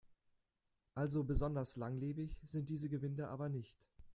Also besonders langlebig sind diese Gewinde aber nicht.